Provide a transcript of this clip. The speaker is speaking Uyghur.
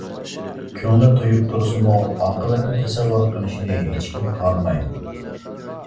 كۆڭلى تۇيۇپ تۇرسىمۇ، ئاقىۋەتنى تەسەۋۋۇر قىلىشنى ھېچكىم خالىمايدۇ.